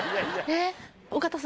えっ。